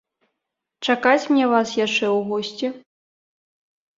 Чакаць мне вас яшчэ ў госці?